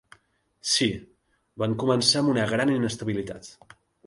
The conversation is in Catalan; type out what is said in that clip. Sí, van començar amb una gran inestabilitat.